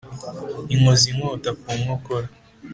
Inkoza inkota ku nkokora